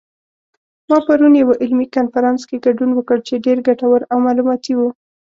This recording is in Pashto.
ما پرون یوه علمي کنفرانس کې ګډون وکړ چې ډېر ګټور او معلوماتي و